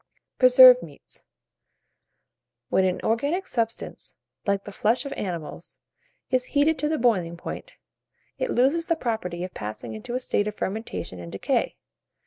PRESERVED MEATS. When an organic substance, like the flesh of animals, is heated to the boiling point, it loses the property of passing into a state of fermentation and decay.